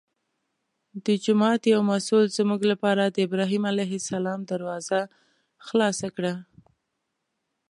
د جومات یو مسوول زموږ لپاره د ابراهیم علیه السلام دروازه خلاصه کړه.